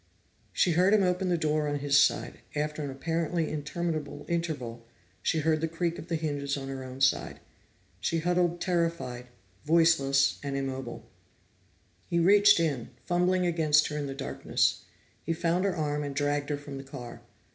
She heard him open the door on his side; after an apparently interminable interval, she heard the creak of the hinges on her own side. She huddled terrified, voiceless, and immobile. He reached in, fumbling against her in the darkness. He found her arm, and dragged her from the car.